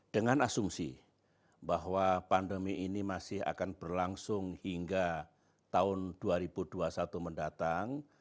dengan asumsi bahwa pandemi ini masih akan berlangsung hingga tahun dua ribu dua puluh satu mendatang